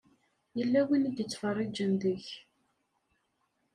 Yella win i d-ittfeṛṛiǧen deg-k.